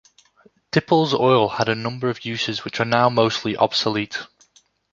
Dippel's oil had a number of uses which are now mostly obsolete.